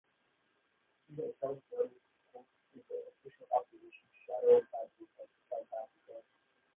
He has held various posts in the Official Opposition Shadow Cabinet of South Africa.